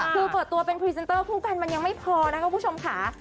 คือเปิดตัวเป็นพรีเซนเตอร์คู่กันมันยังไม่พอนะครับคุณผู้ชมค่ะ